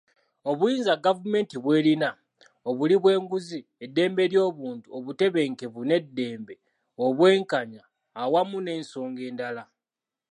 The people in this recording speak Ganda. Obuyinza gavumenti bw'erina, obuli bw'enguzi, eddembe ly'obuntu, obutebenkevu n'eddembe, obwenkanya awamu n'ensonga endala.